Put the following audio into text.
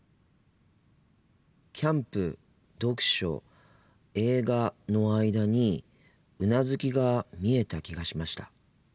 キャンプ読書映画の間にうなずきが見えた気がしました。